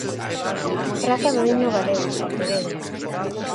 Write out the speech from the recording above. Praza do Himno Galego, Pontevedra.